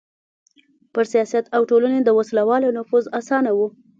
پر سیاست او ټولنې د وسله والو نفوذ اسانه و.